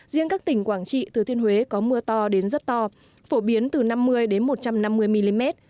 riêng các tỉnh quảng trị thừa thiên huế có mưa to đến rất to phổ biến từ năm mươi một trăm năm mươi mm